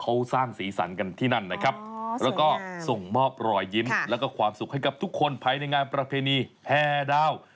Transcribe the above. เขาสร้างสีสันกันที่นั่นนะครับแล้วก็ส่งมอบรอยยิ้มแล้วก็ความสุขให้กับทุกคนภายในงานประเพณีแห่ดาว